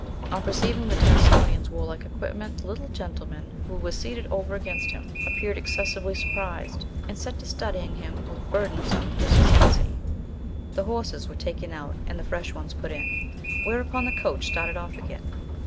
On perceiving the Tarasconian's warlike equipment, the little gentleman, who was seated over against him, appeared excessively surprised, and set to studying him with burdensome persistency. The horses were taken out and the fresh ones put in, whereupon the coach started off again.